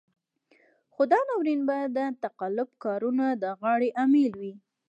خو دا ناورين به د تقلب کارانو د غاړې امېل وي.